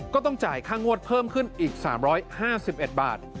ก็ต้องจ่ายค่างวดเพิ่มขึ้นอีก๓๕๑บาท